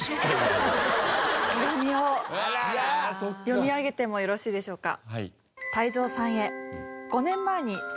読み上げてもよろしいでしょうか？